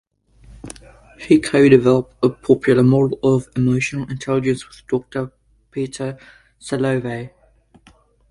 He co-developed a popular model of "emotional intelligence" with Doctor Peter Salovey.